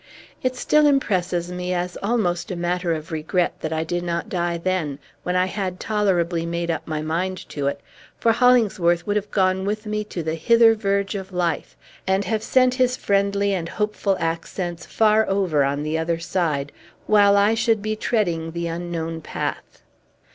It still impresses me as almost a matter of regret that I did not die then, when I had tolerably made up my mind to it; for Hollingsworth would have gone with me to the hither verge of life, and have sent his friendly and hopeful accents far over on the other side, while I should be treading the unknown path.